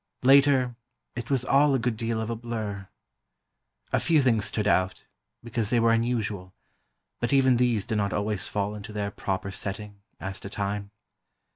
Later, it was all a good deal of a blur. A few things stood out, because they were unusual, but even these did not always fall into their proper setting, as to time.